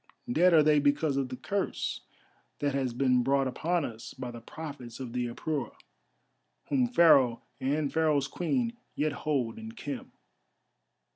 Dead are they because of the curse that has been brought upon us by the prophets of the Apura, whom Pharaoh, and Pharaoh's Queen, yet hold in Khem."